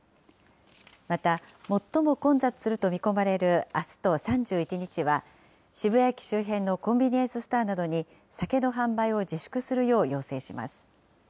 また最も混雑すると見込まれるあすと３１日は、渋谷駅周辺のコンビニエンスストアなどに酒の販売を自粛するよう要請します。